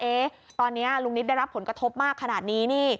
ตอนนี้ลุงนิดได้รับผลกระทบมากขนาดนี้นี่